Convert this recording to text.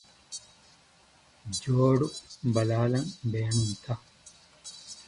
ޖޯޑު ބަލާލަން ބޭނުންތަ؟